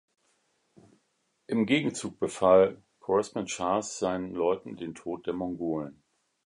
Im Gegenzug befahl Choresm-Schahs seinen Leuten den Tod der Mongolen.